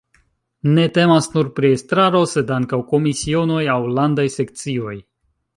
Ne temas nur pri estraro, sed ankaŭ komisionoj aŭ landaj sekcioj.